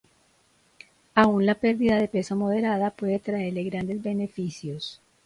Aun la pérdida de peso moderada puede traerle grandes beneficios